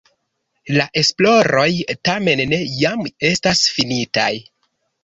La esploroj tamen ne jam estas finitaj.